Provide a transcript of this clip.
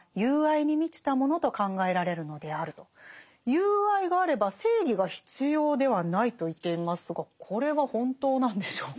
友愛があれば正義が必要ではないと言っていますがこれは本当なんでしょうか？